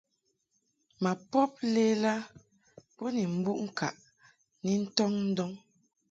Ma pob lela bo ni mbuʼ ŋkaʼ ni ntɔŋ ndɔŋ.